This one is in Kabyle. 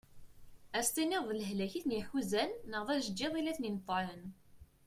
Ad as-tiniḍ d lehlak iten-iḥuzan neɣ d ajeǧǧiḍ i la iten-ineṭɛen.